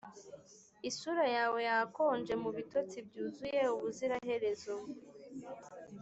isura yawe yakonje mubitotsi byuzuye ubuziraherezo.